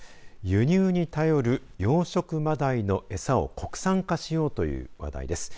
輸入に頼る養殖まだいの餌を国産化しようという話題です。